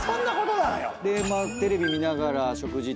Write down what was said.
でテレビ見ながら食事。